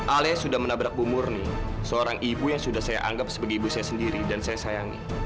alia sudah menabrak bu murni seorang ibu yang sudah saya anggap sebagai ibu saya sendiri dan saya sayangi